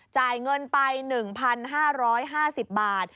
จ่ายเงินไป๑๕๕๐บาท